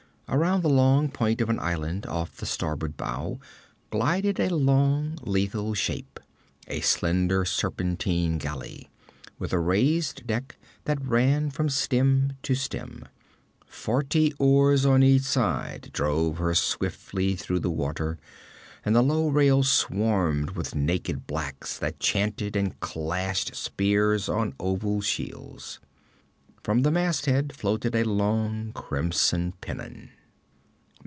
Around the long point of an island off the starboard bow glided a long lethal shape, a slender serpentine galley, with a raised deck that ran from stem to stern. Forty oars on each side drove her swiftly through the water, and the low rail swarmed with naked blacks that chanted and clashed spears on oval shields. From the masthead floated a long crimson pennon.